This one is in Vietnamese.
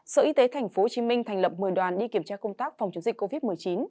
sở y tế tp hcm thành lập một mươi đoàn đi kiểm tra công tác phòng chống dịch covid một mươi chín